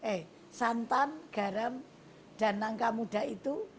eh santan garam dan nangka muda itu